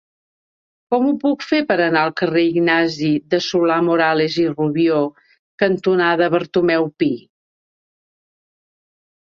Com ho puc fer per anar al carrer Ignasi de Solà-Morales i Rubió cantonada Bartomeu Pi?